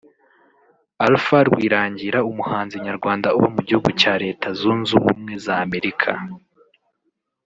Alpha Rwirangira umuhanzi nyarwanda uba mu gihugu cya Reta Zunze ubumwe za Amerika